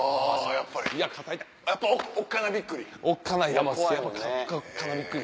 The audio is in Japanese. やっぱおっかなびっくり？